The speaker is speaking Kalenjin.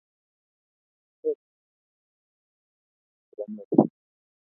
oret noo nekemochei kekerchi sang biik chebo Meru